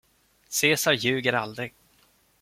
Cesar ljuger aldrig.